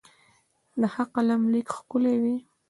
د ښه قلم لیک ښکلی وي.